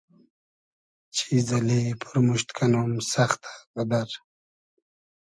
چیز اللی پورموشت کئنوم سئختۂ غئدئر